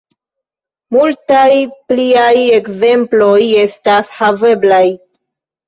Multaj pliaj ekzemploj estas haveblaj.